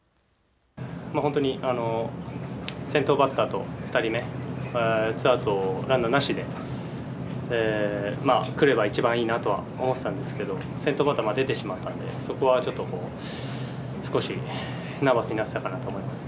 本当に先頭バッターと２人目、ツーアウトランナーなしで来ればいちばんいいなと思っていたんですけど先頭バッターが出てしまったのでそこはちょっと少しナーバスになっていたかなと思います。